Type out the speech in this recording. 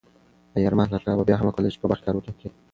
ایا ارمان کاکا به بیا هم وکولای شي په باغ کې کار وکړي؟